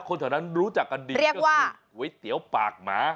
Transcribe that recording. คนเท่านั้นรู้จักกันดีก็คือเว้ยเตี๋ยวปากม้า